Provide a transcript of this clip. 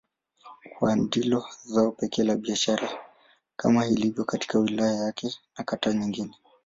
Kahawa ndilo zao pekee la biashara kama ilivyo katika wilaya yake na kata nyingine.